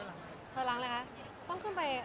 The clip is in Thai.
ถอยหลังเลยครับต้องขึ้นไป